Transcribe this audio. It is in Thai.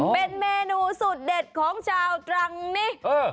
เป็นเมนูสูตรเด็ดของชาวตรังนี่